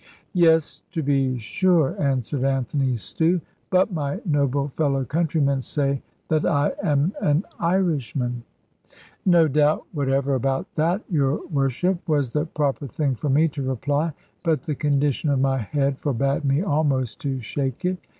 "Yes, to be sure," answered Anthony Stew: "but my noble fellow countrymen say that I am an Irishman." "No doubt whatever about that, your Worship," was the proper thing for me to reply; but the condition of my head forbade me almost to shake it.